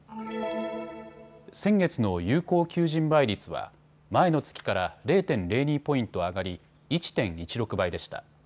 先月の有効求人倍率は前の月から０．０２ポイント上がり、１．１６倍でした。